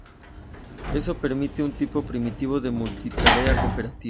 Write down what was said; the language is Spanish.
Esto permite un tipo primitivo de multitarea cooperativa.